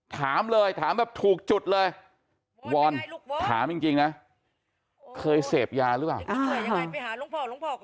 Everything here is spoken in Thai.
ถามเลยถามแบบถูกจุดเลยวอนถามจริงนะเคยเสพยาหรือเปล่า